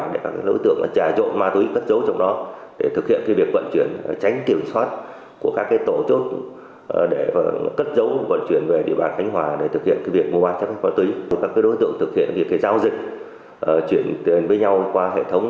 đã đấu tranh triệt phá trong thời gian qua